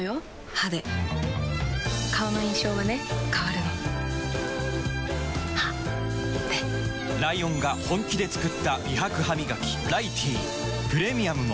歯で顔の印象はね変わるの歯でライオンが本気で作った美白ハミガキ「ライティー」プレミアムも